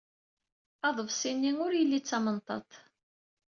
Aḍebsi-nni ur ili tamenṭaḍt.